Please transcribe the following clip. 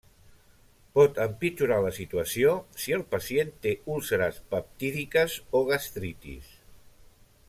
Pot empitjorar la situació si el pacient té úlceres peptídiques o gastritis.